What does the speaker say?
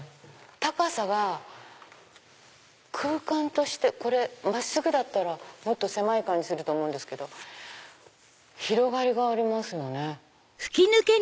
高さが空間として。これ真っすぐだったらもっと狭い感じすると思うんですけど広がりがありますよね。